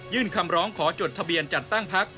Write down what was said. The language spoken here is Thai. คำร้องขอจดทะเบียนจัดตั้งพัก